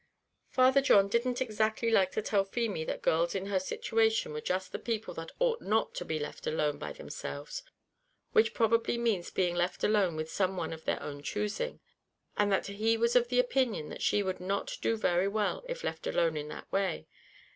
Father John didn't exactly like to tell Feemy that girls in her situation were just the people that ought not to be left alone by themselves, which probably means being left alone with some one of their own choosing; and that he was of opinion that she would not do very well if left alone in that way.